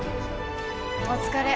お疲れ。